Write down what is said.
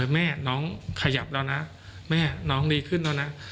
แม่น้องขยับแล้วนะแม่น้องดีขึ้นแล้วนะ